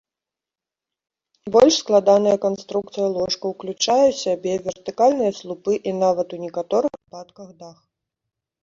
Больш складаная канструкцыя ложка ўключае сябе вертыкальныя слупы і нават у некаторых выпадках дах.